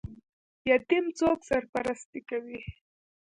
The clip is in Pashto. یتیم څوک سرپرستي کوي؟